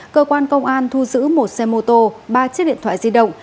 cơ quan công an thu giữ một xe mô tô ba chiếc điện thoại di động